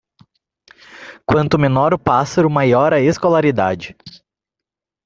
Quanto menor o pássaro, maior a escolaridade.